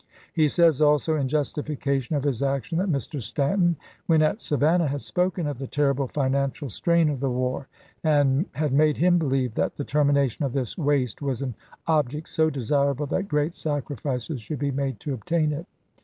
He says also in justification of his action, that Mr. Stanton, when at Savannah, had spoken of the terrible financial strain of the war, and had made him believe that the termination of this waste was an object so de sirable that great sacrifices should be made to obtain it.